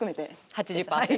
８０％。